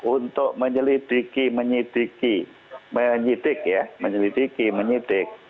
untuk menyelidiki menyidiki menyidik ya menyelidiki menyidik